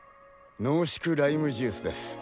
濃縮ライムジュースです。